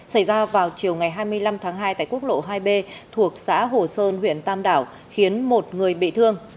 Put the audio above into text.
xảy ra vào chiều ngày hai mươi năm tháng hai tại quốc lộ hai b thuộc xã hồ sơn huyện tam đảo khiến một người bị thương